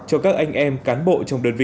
cho các anh em cán bộ trong đơn vị